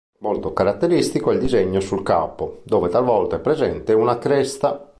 Molto caratteristico è il disegno sul capo, dove talvolta è presente una cresta.